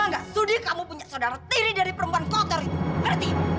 dan mama gak sudi kamu punya saudara tiri dari perempuan kotor itu mere